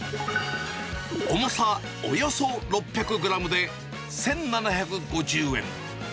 重さおよそ６００グラムで、１７５０円。